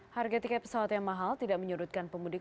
harga tiket pesawat yang mahal tidak menyurutkan pemudik